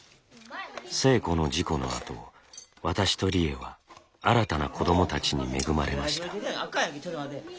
星子の事故のあと私と理栄は新たな子どもたちに恵まれました。